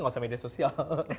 nggak usah media sosial